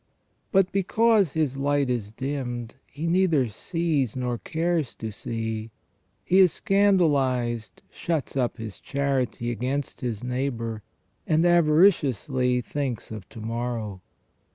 But because his light is dimmed, he neither sees nor cares to see ; he is scandalized, shuts up his charity against his neighbour, and avariciously thinks of to morrow.